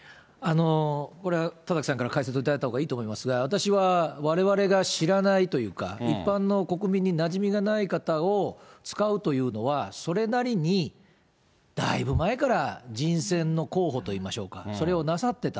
これは田崎さんから解説いただいたほうがいいと思いますが、私は、われわれが知らないというか、一般の国民になじみがない方を使うというのは、それなりにだいぶ前から人選の候補といいましょうか、それをなさってた。